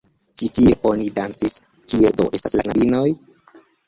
Ĉi tie oni dancis, kie do estas la knabinoj?